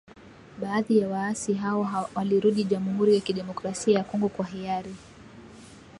Baadhi ya waasi hao walirudi Jamuhuri ya Kidemokrasia ya Kongo kwa hiari